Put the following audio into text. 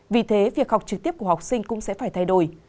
vì thế việc học trực tiếp của học sinh cũng sẽ phải thay đổi